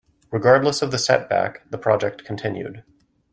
Regardless of the setback, the project continued.